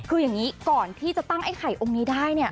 คืออย่างนี้ก่อนที่จะตั้งไอ้ไข่องค์นี้ได้เนี่ย